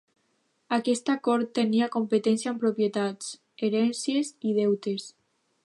Aquesta cort tenia competència en propietats, herències i deutes.